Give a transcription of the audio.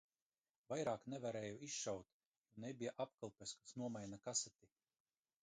Vairāk nevarēju izšaut, jo nebija apkalpes, kas nomaina kaseti.